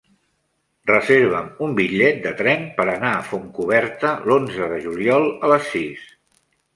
Reserva'm un bitllet de tren per anar a Fontcoberta l'onze de juliol a les sis.